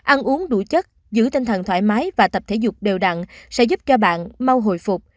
ăn uống đủ chất giữ tinh thần thoải mái và tập thể dục đều đặn sẽ giúp cho bạn mau hồi phục